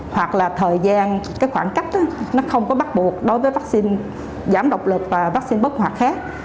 hoặc là thời gian cái khoảng cách nó không có bắt buộc đối với vắc xin giảm độc lực và vắc xin bất hoạt khác